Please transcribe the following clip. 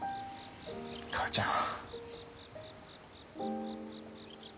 母ちゃん。